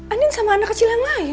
anin sama anak kecil yang lain